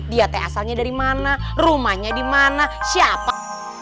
dia teh asalnya dari mana rumahnya di mana siapa